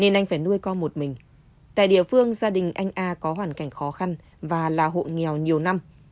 anh a đã nuôi con một mình tại địa phương gia đình anh a có hoàn cảnh khó khăn và là hộ nghèo nhiều năm